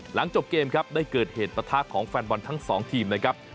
หลังจบเกมครับได้เกิดเหตุปะทะของแฟนบอลทั้งสองทีมนะครับ